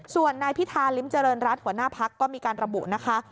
ส่วนนายพิธาริมเจริญรัฐหัวหน้าพักก็มีการระบุนะคะ